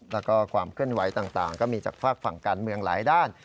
แล้วก็ความเคลื่อนไหวต่างก็มีจากฝากฝั่งการเมืองหลายด้าน